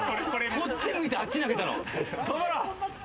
そっち向いてあっち投げたろ？